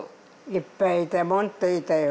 いっぱいいたもっといたよ。